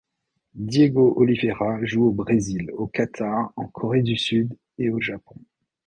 Diego Oliveira joue au Brésil, au Qatar, en Corée du Sud, et au Japon.